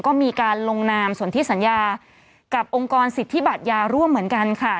ก็มีการลงนามสนที่สัญญากับองค์กรสิทธิบัตรยาร่วมเหมือนกันค่ะ